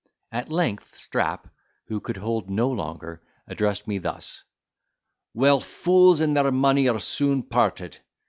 At length, Strap, who could hold no longer, addressed me thus: "Well, fools and their money are soon parted.